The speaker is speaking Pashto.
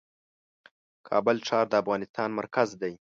کابل ښار د افغانستان مرکز دی .